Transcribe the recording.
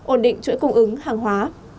ổn định chuỗi cung ứng hàng hóa